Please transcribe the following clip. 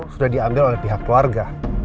sudah diambil oleh pihak keluarga